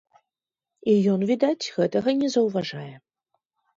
І ён, відаць, гэтага не заўважае.